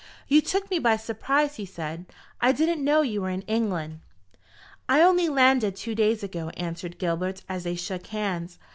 "You took me by surprise," he said. "I didn't know you were in England." "I only landed two days ago," answered Gilbert, as they shook hands.